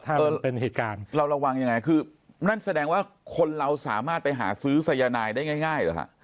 ก็เป็นเหตุการณ์เราระวังยังไงคือนั่นแสดงว่าคนเราสามารถไปหาซื้อสายนายได้ง่ายหรือฮะ